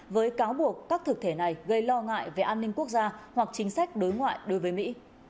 với cáo buộc các thực thể này gây lo ngại về an ninh quốc gia hoặc chính sách đối ngoại đối với mỹ